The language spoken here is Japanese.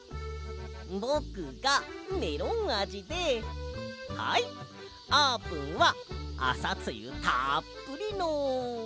ぼくがメロンあじではいあーぷんはあさつゆたっぷりの。